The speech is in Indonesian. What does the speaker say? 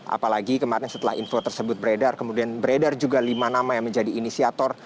apalagi kemarin setelah info tersebut beredar kemudian beredar juga lima nama yang menjadi inisiator